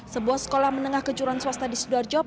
sebuah sekolah menengah kejuran swasta di sidoarjo